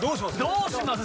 どうします？